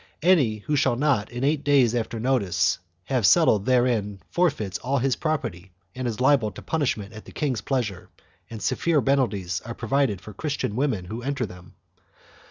Any one who shall not, in eight days after notice, have settled therein forfeits all his property and is liable to punishment at the king's pleasure, and severe penalties are provided for Christian women who enter them.